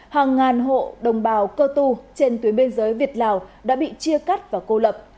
hàng ngàn hộ đồng bào cơ tu trên tuyến biên giới việt lào đã bị chia cắt và cô lập